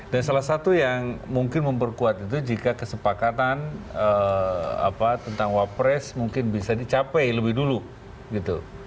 dan salah satu yang mungkin memperkuat itu jika kesepakatan tentang wapres mungkin bisa dicapai lebih dulu